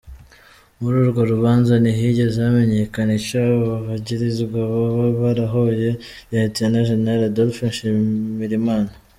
Muri urwo rubanza ntihigeze hamenyekana ico abo bagirizwa boba barahoye Lieutenant General Adolphe Nshimirimana.